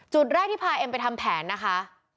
จุดแรกที่พาเอ็มไปทำแผนนะคะ